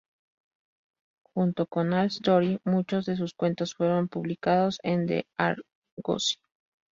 Junto con "All-Story", muchos de sus cuentos fueron publicados en "The Argosy".